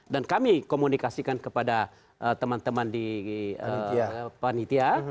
dan kami komunikasikan kepada teman teman di panitia